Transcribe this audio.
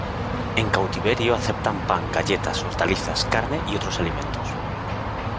En cautiverio aceptan pan, galletas, hortalizas, carne y otros alimentos.